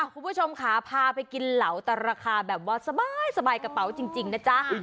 คุณผู้ชมค่ะพาไปกินเหลาแต่ราคาแบบว่าสบายกระเป๋าจริงนะจ๊ะ